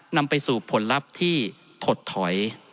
นำไปสู่ผลลัพธ์ที่ถดถอย